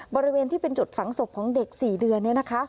บริเวณที่เป็นจุดฝังศพของเด็ก๔เดือนเนี่ยนะคะ